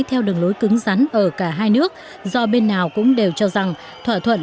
theo đường lối cứng rắn ở cả hai nước do bên nào cũng đều cho rằng thỏa thuận